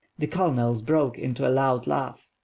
The colonels broke into a loud laugh.